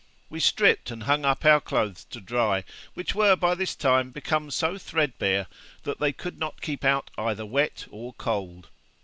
We stripped and hung up our clothes to dry, which were by this time become so thread bare, that they could not keep out either wet or cold.